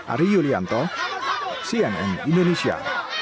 ari yulianto cnn indonesia